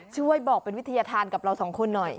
ช่วยบอกเป็นวิทยาธารกับเราสองคนหน่อย